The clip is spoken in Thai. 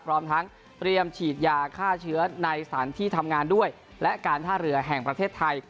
พร้อมทั้งเตรียมฉีดยาฆ่าเชื้อในสถานที่ทำงานด้วยและการท่าเรือแห่งประเทศไทย